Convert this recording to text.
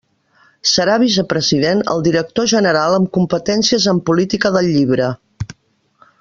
Serà vicepresident el director general amb competències en política del llibre.